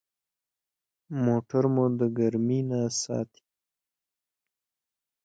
موټر مو د ګرمي نه ساتي.